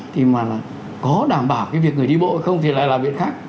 thì mà có đảm bảo cái việc người đi bộ không thì lại làm việc khác